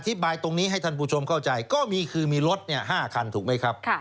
บายตรงนี้ให้ท่านผู้ชมเข้าใจก็มีคือมีรถ๕คันถูกไหมครับ